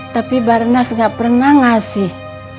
tapi barnas gak pernah ngasih